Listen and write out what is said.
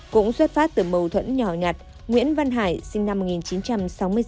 cũng xuất phát từ mâu thuẫn nhỏ nhặt nguyễn văn hải sinh năm một nghìn chín trăm sáu mươi sáu